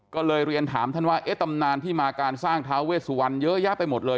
ก็เลยเรียนถามท่านว่าตำนานที่มาการสร้างท้าเวสุวรรณเยอะแยะไปหมดเลย